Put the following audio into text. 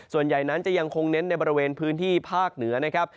ส่วนใหญ่นั้นจะยังคงเน้นในบริเวณพื้นที่ภาคเหนือนะครับ